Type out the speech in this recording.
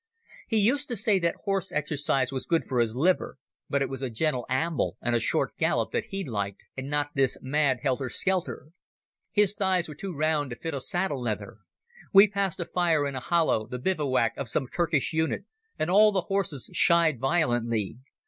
He used to say that horse exercise was good for his liver, but it was a gentle amble and a short gallop that he liked, and not this mad helter skelter. His thighs were too round to fit a saddle leather. We passed a fire in a hollow, the bivouac of some Turkish unit, and all the horses shied violently.